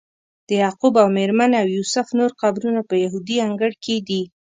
د یعقوب او میرمنې او یوسف نور قبرونه په یهودي انګړ کې دي.